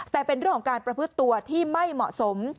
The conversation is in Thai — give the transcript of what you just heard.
แต่เป็นเรื่องของการประพฤติตัวที่ไม่เหมาะสม